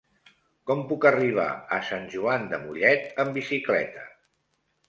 Com puc arribar a Sant Joan de Mollet amb bicicleta?